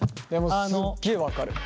すっげえ分かる。